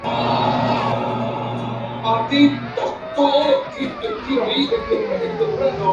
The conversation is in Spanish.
Los diarios chinos pueden combinar todas las direcciones de escritura en una misma página.